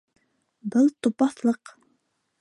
—Был тупаҫлыҡ.